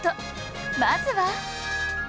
まずは